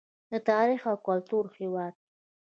د تاریخ او کلتور هیواد.